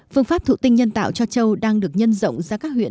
phương pháp thụ tinh nhân tạo cho châu đang được nhân rộng ra các huyện